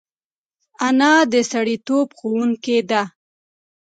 انا د سړیتوب ښوونکې ده